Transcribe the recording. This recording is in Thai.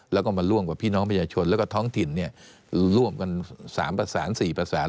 แล้วก็มาร่วมกับพี่น้องประชาชนแล้วก็ท้องถิ่นร่วมกัน๓ประสาน๔ประสาน